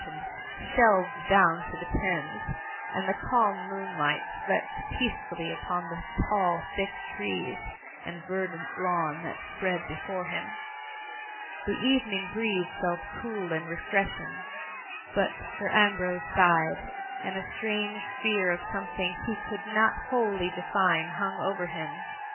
tioned, shelved down to the Thames, and th« calm moonlight slept peacefully upon the tall, thick trees, and verdant lawn that spread be fore him. The evening breeze felt cool and refreshing; but Sir Ambrose sighed, and a strange fear of something he could not wholly define hung over him.